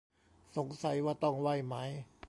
สงสัยว่าต้องไหว้ไหม